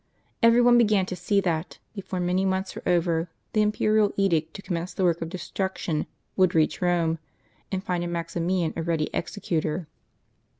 Every one began to see that, before many months were over, the imperial edict to commence the work of destruction would reach Rome, and find in Maximian a ready executor.